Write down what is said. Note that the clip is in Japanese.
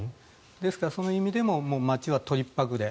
ですから、その意味でも町は取りっぱぐれ